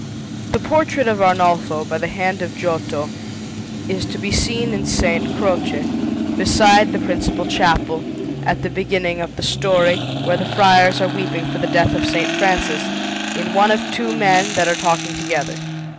The portrait of Arnolfo, by the hand of Giotto, is to be seen in S. Croce, beside the principal chapel, at the beginning of the story, where the friars are weeping for the death of S. Francis, in one of two men that are talking together.